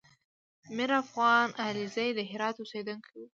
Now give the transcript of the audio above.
میرافغان علیزی د هرات اوسېدونکی و